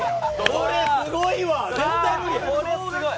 これすごいわ、絶対無理！